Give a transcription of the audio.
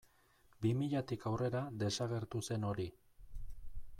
Bi milatik aurrera desagertu zen hori.